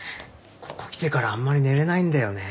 ここ来てからあんまり寝れないんだよね。